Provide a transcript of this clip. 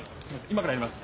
今からやります。